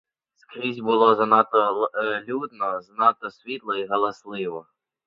Скрізь було занадто людно, занадто світло й галасливо.